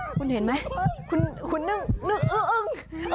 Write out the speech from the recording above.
คุณเห็นไหมคุณนึกนึกเออเออเออ